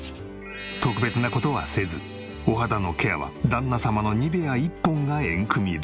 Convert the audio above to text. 特別な事はせずお肌のケアは旦那様のニベア１本がエンクミ流。